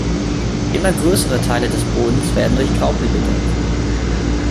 Immer größere Teile des Bodens werden durch Graupel bedeckt.